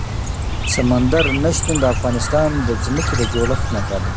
سمندر نه شتون د افغانستان د ځمکې د جوړښت نښه ده.